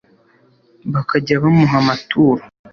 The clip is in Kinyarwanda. bakajya bamuha amaturo